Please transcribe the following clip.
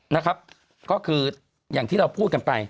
นะครับก็คืออย่างที่เราพูดกันไป